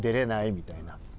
みたいな。